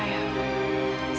saya akan selalu siap membantu